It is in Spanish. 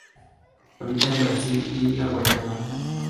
Habita en Brasil y la Guayana.